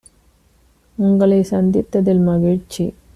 உங்களைச் சந்தித்ததில் மகிழ்ச்சி!